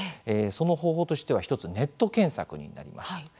その方法としては１つネット検索になります。